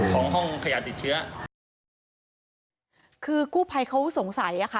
ห้องขยะติดเชื้อคือกู้ภัยเขาสงสัยอ่ะค่ะ